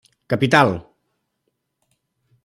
Capital!